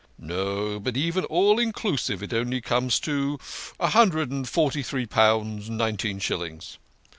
" No, but even all inclusive it only comes to a hundred and forty three pounds nineteen shillings."